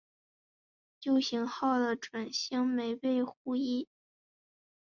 旧型号的准星没有护翼。